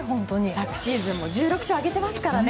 昨シーズンも１６勝挙げていますからね。